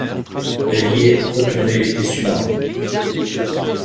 Elle y est retournée l'été suivant.